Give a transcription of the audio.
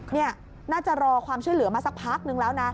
นี่น่าจะรอความช่วยเหลือมาสักพักนึงแล้วนะ